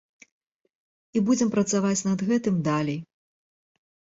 І будзем працаваць над гэтым далей.